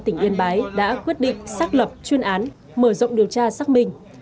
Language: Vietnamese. tỉnh yên bái đã quyết định xác lập chuyên án mở rộng điều tra xác minh